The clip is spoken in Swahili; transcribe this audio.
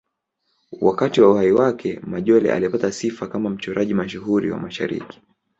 Wakati wa uhai wake, Majolle alipata sifa kama mchoraji mashuhuri wa Mashariki.